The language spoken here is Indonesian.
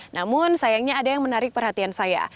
namun sayangnya ada yang menarik perhatian saya